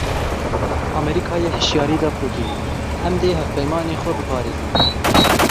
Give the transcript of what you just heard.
Amerîkayê hişyarî da Putin: Em dê hevpeymanên xwe biparêzin.